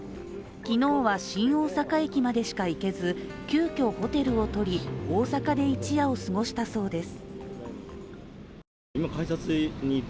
昨日は新大阪駅までしか行けず急きょホテルをとり大阪で一夜を過ごしたそうです。